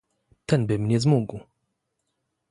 "Ten by mnie zmógł."